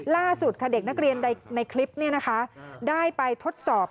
ล่าสุดค่ะเด็กนักเรียนในคลิปนี้นะคะได้ไปทดสอบ